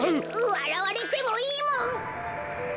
わらわれてもいいもん！